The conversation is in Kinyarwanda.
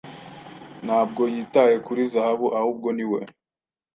Ntabwo yitaye kuri zahabu ahubwo niwe